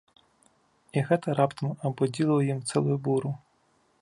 І гэта раптам абудзіла ў ім цэлую буру.